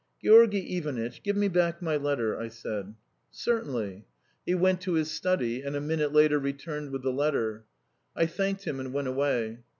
"Georgy Ivanitch, give me back my letter," I said. "Certainly." He went to his study, and a minute later returned with the letter. I thanked him and went away.